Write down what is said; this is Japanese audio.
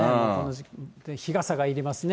日傘がいりますね。